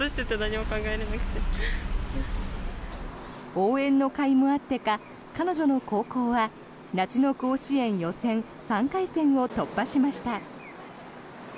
応援のかいもあってか彼女の高校は夏の甲子園予選３回戦を突破しました。